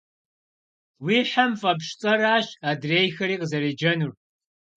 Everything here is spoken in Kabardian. Уи хьэм фӏэпщ цӏэращ адрейхэри къызэреджэнур.